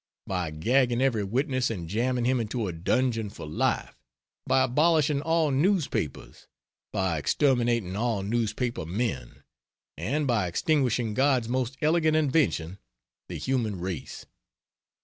By gagging every witness and jamming him into a dungeon for life; by abolishing all newspapers; by exterminating all newspaper men; and by extinguishing God's most elegant invention, the Human Race.